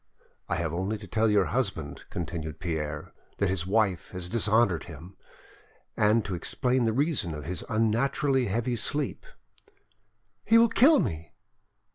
"I have only to tell your husband," continued Pierre, "that his wife has dishonoured him, and to explain the reason of his unnaturally heavy sleep." "He will kill me!"